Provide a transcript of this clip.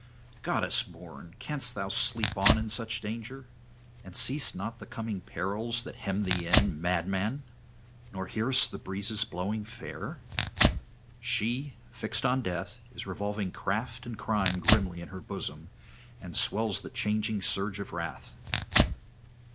'Goddess born, canst thou sleep on in such danger? and seest not the coming perils that hem thee in, madman! nor hearest the breezes blowing fair? She, fixed on death, is revolving craft and crime grimly in her bosom, and swells the changing surge of wrath.